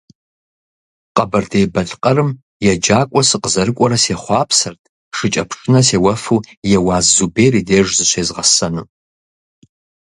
Къэбэрдей-Балъкъэрым еджакӀуэ сыкъызэрыкӀуэрэ сехъуапсэрт шыкӀэпшынэ сеуэфу Еуаз Зубер и деж зыщызгъэсэну.